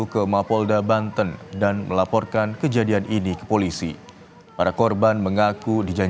kar reciprocal medan kepadatan memahalida